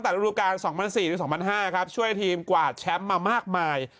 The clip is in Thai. ตั้งแต่ฯศ๒๐๐๔๒๐๐๕ครับช่วยทีมกวาดแชมป์มามากมาย